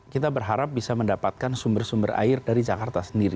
kita berharap bisa mendapatkan sumber sumber air dari jakarta sendiri